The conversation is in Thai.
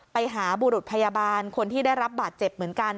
ไปหาบุรุษพยาบาลคนที่ได้รับบาดเจ็บเหมือนกัน